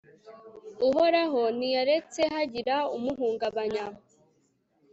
uhoraho ntiyaretse hagira ubahuganya